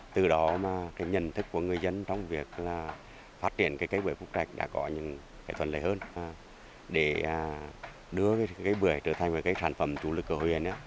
từ đó mà cái nhận thức của người dân trong việc là phát triển cái bưởi phúc trạch đã có những cái thuận lợi hơn để đưa cái bưởi trở thành cái sản phẩm chủ lực của huyền